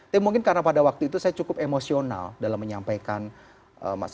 tapi mungkin karena pada waktu itu saya cukup emosional dalam menyampaikan mas